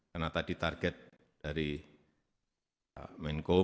karena tadi target dari menko maupun bupati